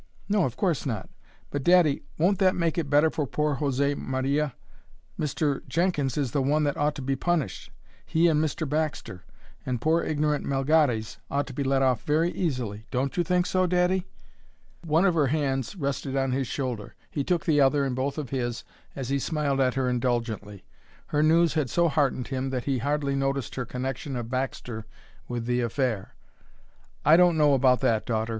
"No, of course not. But, daddy, won't that make it better for poor José Maria? Mr. Jenkins is the one that ought to be punished he and Mr. Baxter; and poor ignorant Melgares ought to be let off very easily. Don't you think so, daddy?" One of her hands rested on his shoulder. He took the other in both of his as he smiled at her indulgently. Her news had so heartened him that he hardly noticed her connection of Baxter with the affair. "I don't know about that, daughter.